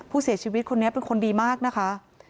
ผู้เสียชีวิตคนนี้เป็นคนดีมากนะคะ